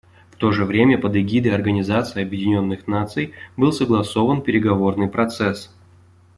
В то же время под эгидой Организации Объединенных Наций был согласован переговорный процесс.